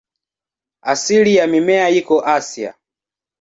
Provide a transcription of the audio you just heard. Asili ya mimea iko Asia.